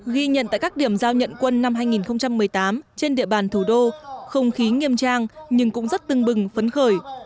ghi nhận tại các điểm giao nhận quân năm hai nghìn một mươi tám trên địa bàn thủ đô không khí nghiêm trang nhưng cũng rất tưng bừng phấn khởi